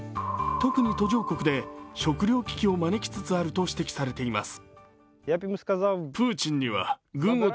特に途上国で、食糧危機を招きつつあると指摘されています。